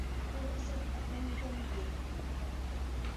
তোর এসব আব্লামিতে আমি বিরক্ত!